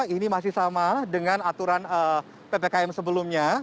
ini masih sama dengan aturan ppkm sebelumnya